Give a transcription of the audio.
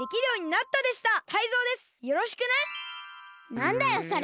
なんだよそれ！